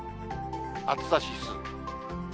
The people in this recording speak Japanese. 暑さ指数。